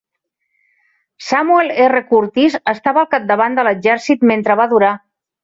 Samuel R. Curtis estava al capdavant de l'exèrcit mentre va durar.